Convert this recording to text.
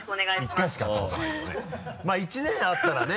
まぁ１年あったらね。